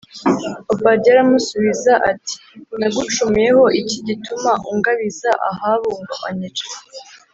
Obadiya aramusubiza ati “Nagucumuyeho iki gituma ungabiza Ahabu ngo anyice?